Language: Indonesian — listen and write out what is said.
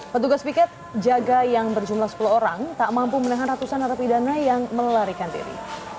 petugas piket jaga yang berjumlah sepuluh orang tak mampu menahan ratusan narapidana yang melarikan diri